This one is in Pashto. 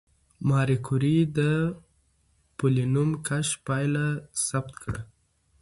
ماري کوري د پولونیم کشف پایله ثبت کړه.